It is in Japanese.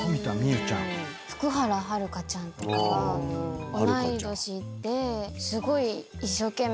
福原遥ちゃんとかは同い年ですごい一生懸命。